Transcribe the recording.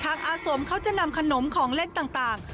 อาสมเขาจะนำขนมของเล่นต่าง